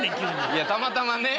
いやたまたまね